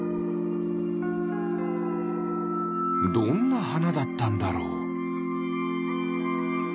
どんなはなだったんだろう？